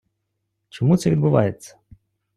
Чому це відбувається?